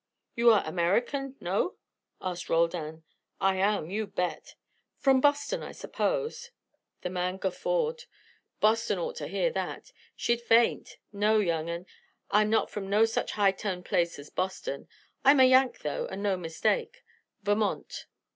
"You are American, no?" asked Roldan. "I am, you bet." "From Boston, I suppose?" The man guffawed. "Boston ought to hear that. She'd faint. No, young 'un, I'm not from no such high toned place as Boston. I'm a Yank though, and no mistake. Vermont."